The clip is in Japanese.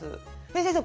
先生